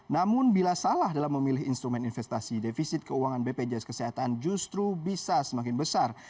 namun bila salah dalam memilih instrumen investasi defisit keuangan bpjs kesehatan justru bisa semakin besar